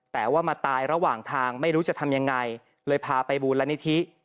แต่ว่ามาตายระหว่างทางไม่รู้จะทำยังไงเลยพาไปบูรณิธิ